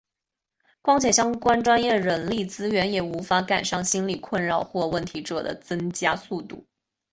况且相关专业人力资源也无法赶上心理困扰或问题者的增加速度。